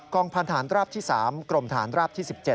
องพันธานราบที่๓กรมฐานราบที่๑๗